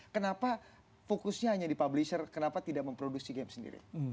kenapa fokusnya hanya di publisher kenapa tidak memproduksi game sendiri